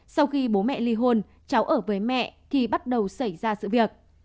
sau khi bố mẹ ly hôn cháu ở với mẹ thì bắt đầu xảy ra sự việc